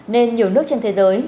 nên nhiều nước trên thế giới